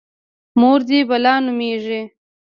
_مور دې بلا نومېږي؟